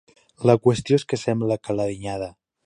La qüestió és que sembla que l'ha dinyada.